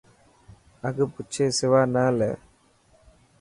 اگھه پوڇي سوانا لي.